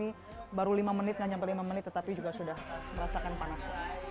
di sini baru lima menit tidak sampai lima menit tetapi juga sudah merasakan panas